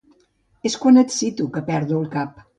És quan et cito que perdo el cap.